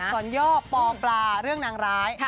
สวัสดีค่ะ